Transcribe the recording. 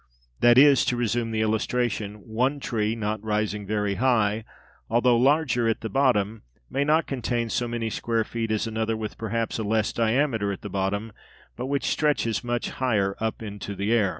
That is, to resume the illustration, one tree, not rising very high, although larger at the bottom, may not contain so many square feet as another, with perhaps a less diameter at the bottom, but which stretches much higher up into the air.